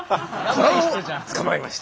トラを捕まえました！